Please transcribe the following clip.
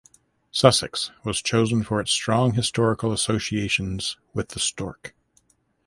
Sussex was chosen for its strong historical associations with the stork.